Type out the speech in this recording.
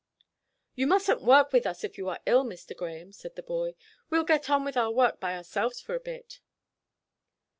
"You mustn't work with us if you are ill, Mr. Grahame," said the boy; "we'll get on with our work by ourselves for a bit."